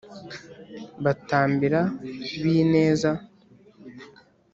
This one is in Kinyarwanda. batambira b’ineza